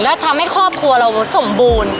แล้วทำให้ครอบครัวเราสมบูรณ์